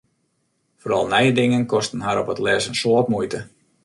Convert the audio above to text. Foaral nije dingen kosten har op 't lêst in soad muoite.